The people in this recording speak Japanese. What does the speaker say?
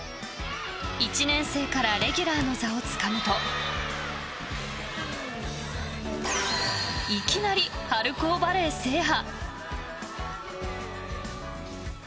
１年生からレギュラーの座をつかむといきなり春高バレー制覇。